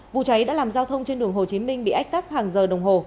vụ cháy đã làm giao thông trên đường hồ chí minh bị ách tắc hàng giờ đồng hồ